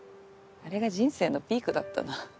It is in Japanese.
あれが人生のピークだったな。